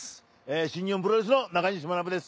新日本プロレスの中西学です。